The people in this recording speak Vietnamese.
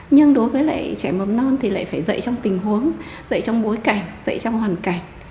nhưng đối với lại trẻ mầm non thì lại phải dạy trong tình huống dạy trong bối cảnh dạy trong hoàn cảnh